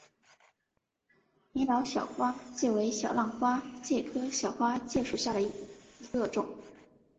李老小花介为小浪花介科小花介属下的一个种。